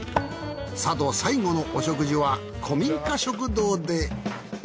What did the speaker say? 佐渡最後のお食事は古民家食堂で。